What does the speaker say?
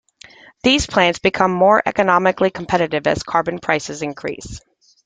These plants become more economically competitive as carbon prices increase.